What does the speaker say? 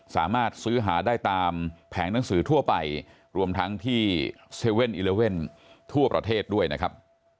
สามารถซื้อหาได้ตามแผงหนังสือทั่วไปรวมทั้งที่๗๑๑ทั่วประเทศด้วยนะครับ